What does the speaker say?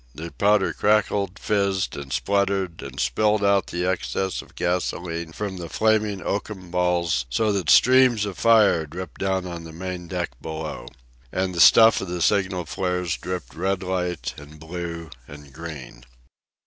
The powder crackled, fizzed, and spluttered and spilled out the excess of gasolene from the flaming oakum balls so that streams of fire dripped down on the main deck beneath. And the stuff of the signal flares dripped red light and blue and green.